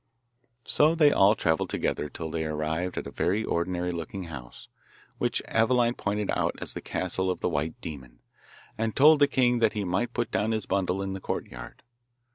So they all travelled together till they arrived at a very ordinary looking house, which Aveline pointed out as the castle of the White Demon, and told the king that he might put down his bundle in the courtyard.